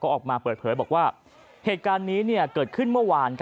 ออกมาเปิดเผยบอกว่าเหตุการณ์นี้เกิดขึ้นเมื่อวาน